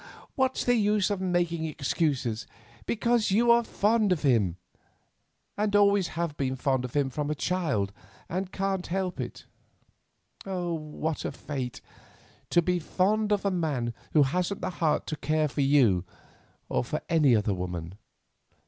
what's the use of making excuses—because you are fond of him, and always have been fond of him from a child, and can't help it. What a fate! To be fond of a man who hasn't the heart to care for you or for any other woman.